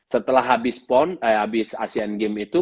setelah habis asean games itu